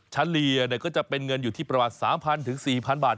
เฉลี่ยก็จะเป็นเงินอยู่ที่ประมาณ๓๐๐๔๐๐บาท